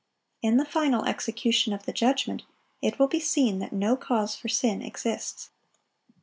In the final execution of the judgment it will be seen that no cause for sin exists.